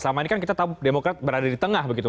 selama ini kan kita tahu demokrat berada di tengah begitu